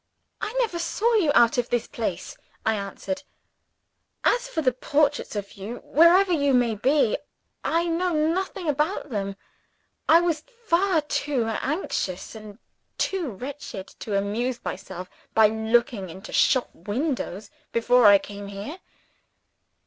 "I never saw you out of this place," I answered. "As for the portraits of you, whoever you may be, I know nothing about them. I was far too anxious and too wretched, to amuse myself by looking into shop windows before I came here.